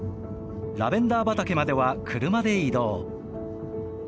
ラベンダー畑までは車で移動。